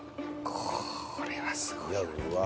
これはすごいわ。